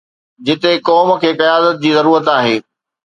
جتي قوم کي قيادت جي ضرورت آهي.